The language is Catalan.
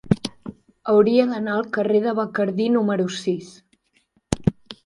Hauria d'anar al carrer de Bacardí número sis.